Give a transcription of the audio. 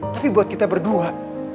tapi buat kita berdua